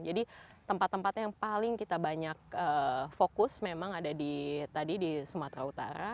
jadi tempat tempat yang paling kita banyak fokus memang ada di tadi di sumatera utara